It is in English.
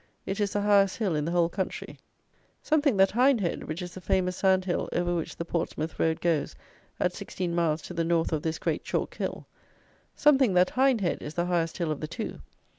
It is the highest hill in the whole country. Some think that Hindhead, which is the famous sand hill over which the Portsmouth road goes at sixteen miles to the north of this great chalk hill; some think that Hindhead is the highest hill of the two.